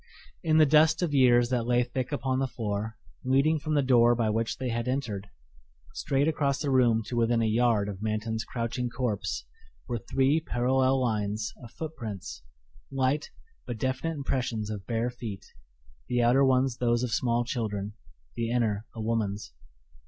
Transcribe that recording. In the dust of years that lay thick upon the floor leading from the door by which they had entered, straight across the room to within a yard of Manton's crouching corpse were three parallel lines of footprints light but definite impressions of bare feet, the outer ones those of small children, the inner a woman's.